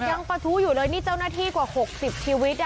ยังประทู้อยู่เลยนี่เจ้าหน้าที่กว่า๖๐ชีวิต